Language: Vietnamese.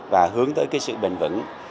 và hướng tới sự bình vững